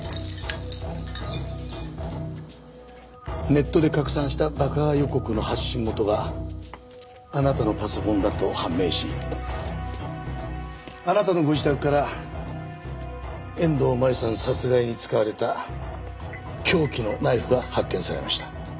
ネットで拡散した爆破予告の発信元があなたのパソコンだと判明しあなたのご自宅から遠藤真理さん殺害に使われた凶器のナイフが発見されました。